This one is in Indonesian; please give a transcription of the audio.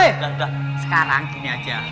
udah udah sekarang gini aja